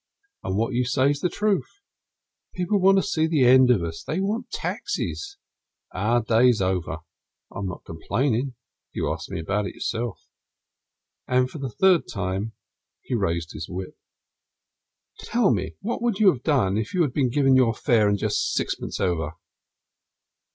And what you say's the truth people want to see the end of us. They want the taxis our day's over. I'm not complaining; you asked me about it yourself." And for the third time he raised his whip. "Tell me what you would have done if you had been given your fare and just sixpence over?"